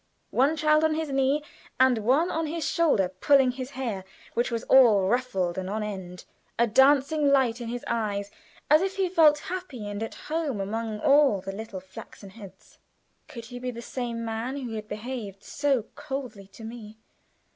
One child on his knee and one on his shoulder pulling his hair, which was all ruffled and on end, a laugh upon his face, a dancing light in his eyes as if he felt happy and at home among all the little flaxen heads. Could he be the same man who had behaved so coldly to me?